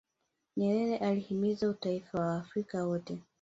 nyerere alihimiza utaifa wa waafrika wote